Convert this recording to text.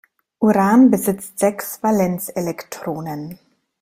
Uran besitzt sechs Valenzelektronen.